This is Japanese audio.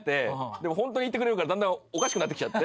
でもホントに言ってくれるからだんだんおかしくなってきちゃって。